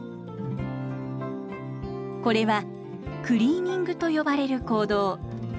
これは「クリーニング」と呼ばれる行動。